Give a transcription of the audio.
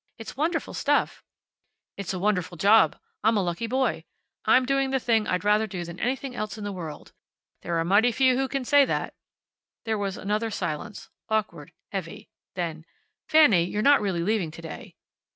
It's wonderful stuff." "It's a wonderful job. I'm a lucky boy. I'm doing the thing I'd rather do than anything else in the world. There are mighty few who can say that." There was another silence, awkward, heavy. Then, "Fanny, you're not really leaving to day?"